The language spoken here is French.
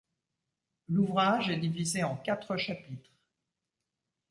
L’ouvrage est divisé en quatre chapitres.